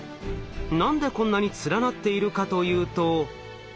何でこんなに連なっているかというと。